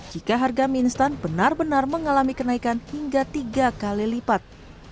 jika harga mie instan benar benar mengalami kenaikan hingga tiga kali lipat